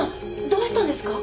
どうしたんですか？